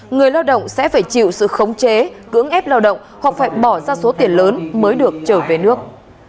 người lao động sẽ phải chịu sự khống chế cưỡng ép lao động hoặc phải bỏ ra số tiền lớn mới được trở về nước